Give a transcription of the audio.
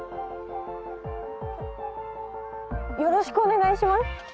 よろしくお願いします。